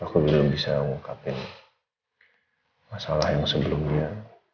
aku belum bisa mengungkapkan masalah yang sebelumnya